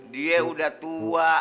dia udah tua